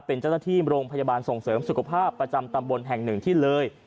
เป็นเจ้าหน้าที่โรงพยาบาลส่งเสริมสุขภาพประจำตำบลแห่งหนึ่งที่เลย